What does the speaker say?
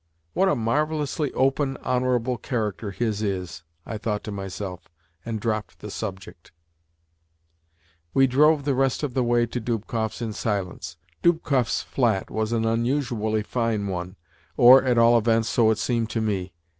"What a marvellously open, honourable character his is!" I thought to myself, and dropped the subject. We drove the rest of the way to Dubkoff's in silence. Dubkoff's flat was an unusually fine one or, at all events, so it seemed to me.